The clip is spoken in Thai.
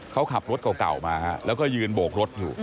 เขาขับรถเก่ามาแล้วก็ยืนโบกรถอยู่